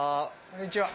こんにちは。